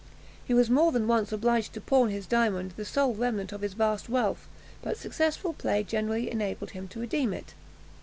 He was more than once obliged to pawn his diamond, the sole remnant of his vast wealth, but successful play generally enabled him to redeem it.